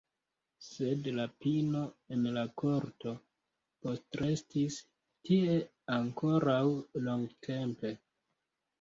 Sed la pino en la korto postrestis tie ankoraŭ longtempe.